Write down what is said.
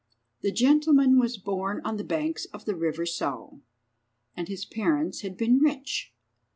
The gentleman was born on the banks of the river Sau, and his parents had been rich.